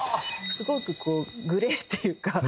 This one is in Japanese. すごくグレーっていうか。